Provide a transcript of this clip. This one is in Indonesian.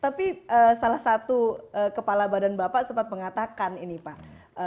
tapi salah satu kepala badan bapak sempat mengatakan ini pak